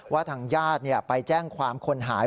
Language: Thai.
ว่าทางญาติเนี่ยไปแจ้งความคนหาย